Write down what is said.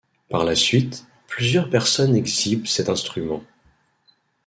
Par la suite, plusieurs personnes exhibent cet instrument.